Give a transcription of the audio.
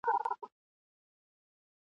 راغی جهاني خدای او اولس لره منظور مشر ..